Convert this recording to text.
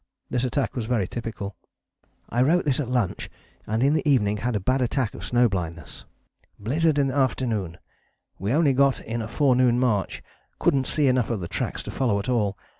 This attack was very typical. "I wrote this at lunch and in the evening had a bad attack of snow blindness." ... "Blizzard in afternoon. We only got in a forenoon march. Couldn't see enough of the tracks to follow at all.